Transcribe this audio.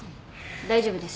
大丈夫です。